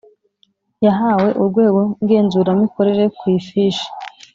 yahawe Urwego Ngenzuramikorere ku ifishi